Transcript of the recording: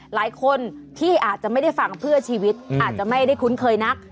หลายคนที่อาจจะไม่ได้ฟังเพื่อชีวิตอาจจะไม่ได้คุ้นเคยนัก